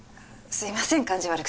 すいません感じ